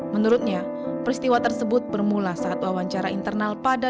menurutnya peristiwa tersebut bermula saat wawancara internal pada dua ribu tujuh belas